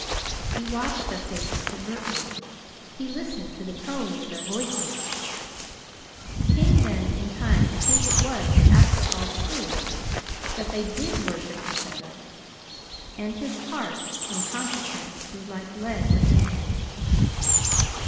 He watched their faces covertly. He listened to the tones of their voices. He came then, in time, to think it was, after all, true: that they did worship each other; and his heart, in consequence, grew like lead within him.